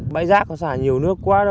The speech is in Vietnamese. bãi giác nó xả nhiều nước quá đó